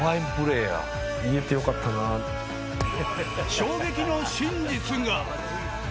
衝撃の真実が！